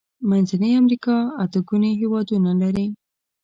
منځنۍ امريکا اته ګونې هيوادونه لري.